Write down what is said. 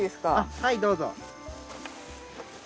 はいどうぞ。